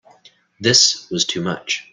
This was too much.